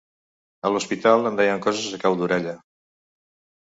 A l’hospital em deien coses a cau d’orella.